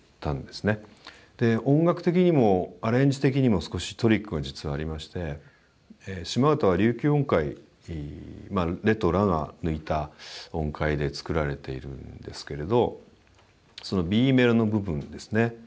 で音楽的にもアレンジ的にも少しトリックが実はありまして「島唄」は琉球音階「レ」と「ラ」が抜いた音階で作られているんですけれどそのＢメロの部分ですね。